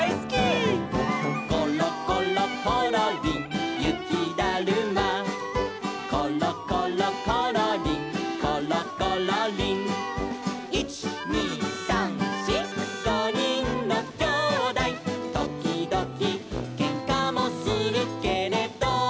「ころころころりんゆきだるま」「ころころころりんころころりん」「いちにさんしごにんのきょうだい」「ときどきけんかもするけれど」